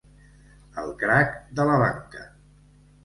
El crac de la banca.